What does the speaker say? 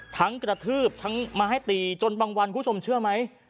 กระทืบทั้งมาให้ตีจนบางวันคุณผู้ชมเชื่อไหม